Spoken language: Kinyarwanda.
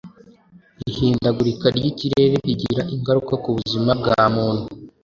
ihindagurika ry’ikirere rigira ingaruka ku buzima bwa muntu.